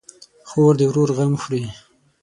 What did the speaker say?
خور د ورور غم خوري.